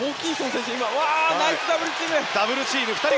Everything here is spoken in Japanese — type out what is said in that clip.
ナイスダブルチーム！